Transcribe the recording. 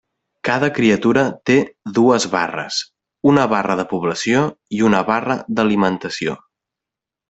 Cada criatura té dues barres: una barra de població i una barra d'alimentació.